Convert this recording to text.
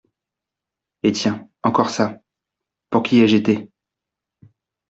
Et tiens, encore ça, pour qui y ai-je été ?